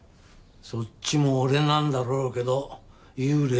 そっちも俺なんだろうけど幽霊は俺だから。